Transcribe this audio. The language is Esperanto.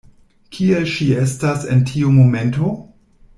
Kie ŝi estas en tiu momento?